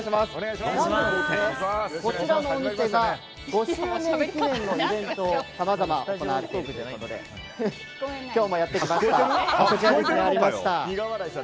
こちらのお店で５周年記念のイベントがさまざま行っているということで今日もやってきました。